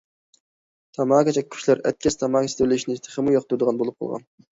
تاماكا چەككۈچىلەر ئەتكەس تاماكا سېتىۋېلىشنى تېخىمۇ ياقتۇرىدىغان بولۇپ قالغان.